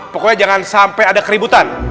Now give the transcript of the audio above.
pokoknya jangan sampai ada keributan